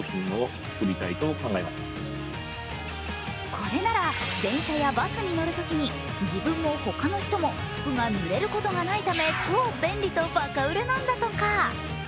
これなら電車やバスに乗るときに自分も他の人も服がぬれることがないため超便利とバカ売れなんだとか。